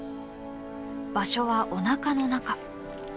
場所はおなかの中。